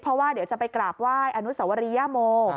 เพราะว่าเดี๋ยวจะไปกราบไหว้อนุสวรียโม